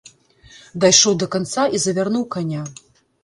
Дайшоў да канца і завярнуў каня.